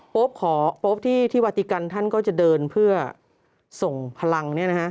พบที่วาติกันท่านก็จะเดินเพื่อส่งพลังนี้นะฮะ